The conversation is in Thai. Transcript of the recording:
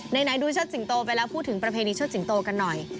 ไหนดูเชิดสิงโตไปแล้วพูดถึงประเพณีเชิดสิงโตกันหน่อย